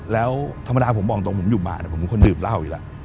แล้วธรรมดาผมบอกจริงผมอยู่บ้านผมควรดื่มเต้าอีกแล้ว